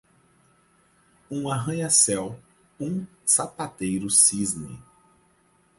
Um arranha-céu, um sapateiro cisne!